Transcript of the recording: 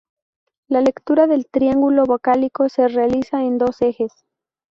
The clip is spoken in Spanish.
La lectura del triángulo vocálico se realiza en dos ejes.